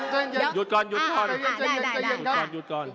หยุดก่อนหยุดก่อน